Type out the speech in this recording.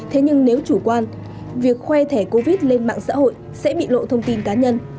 thế nhưng nếu chủ quan việc khoe thẻ covid lên mạng xã hội sẽ bị lộ thông tin cá nhân